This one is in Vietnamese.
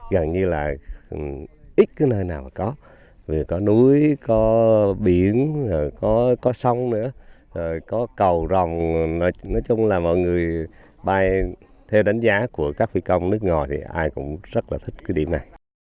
gần như là ít cái nơi nào mà có núi có biển có sóng nữa có cầu rồng nói chung là mọi người bay theo đánh giá của các phi công nước ngoài thì ai cũng rất là thích cái điểm này